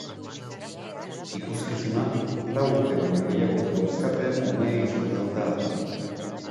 Ikuskizuna lau urte baino gehiago dauzkaten umeei zuzenduta dago.